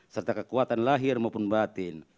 serta kekuatan lahir maupun batin